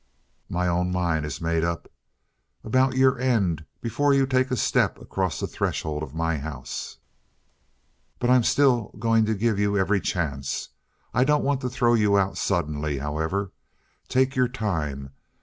"My own mind is made up about your end before you take a step across the threshold of my house. But I'm still going to give you every chance. I don't want to throw you out suddenly, however. Take your time.